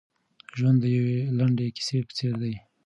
ژوند د یوې لنډې کیسې په څېر دی.